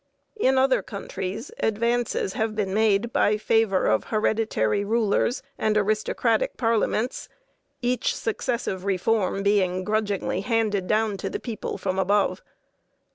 In other countries advances have been made by favor of hereditary rulers and aristocratic parliaments, each successive reform being grudgingly handed down to the people from above.